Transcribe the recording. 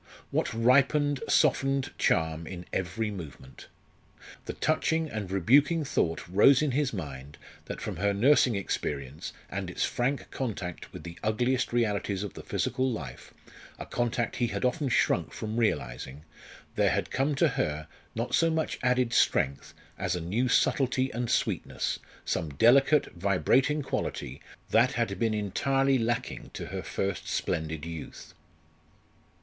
What ripened, softened charm in every movement! The touching and rebuking thought rose in his mind that from her nursing experience, and its frank contact with the ugliest realities of the physical life a contact he had often shrunk from realising there had come to her, not so much added strength, as a new subtlety and sweetness, some delicate, vibrating quality, that had been entirely lacking to her first splendid youth.